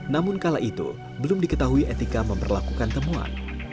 namun kala itu belum diketahui etika memperlakukan temuan